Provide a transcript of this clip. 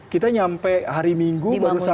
kita nyampe hari minggu